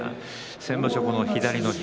先場所、左の膝